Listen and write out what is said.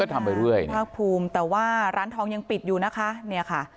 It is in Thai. ทำไปเรื่อยนะภาคภูมิแต่ว่าร้านทองยังปิดอยู่นะคะเนี่ยค่ะ